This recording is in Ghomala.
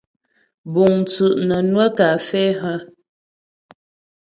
Búŋ tsú' nə́ nwə́ kafɛ́ hə́ ?